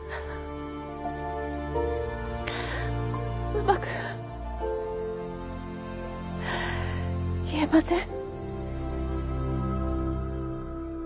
うまく言えません。